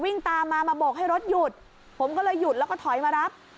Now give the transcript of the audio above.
ตามมามาโบกให้รถหยุดผมก็เลยหยุดแล้วก็ถอยมารับ